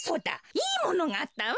いいものがあったわ。